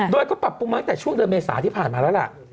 โดยก็ปรับปรุงมาตั้งแต่ช่วงเดือนเมษาที่ผ่านมาแล้วล่ะ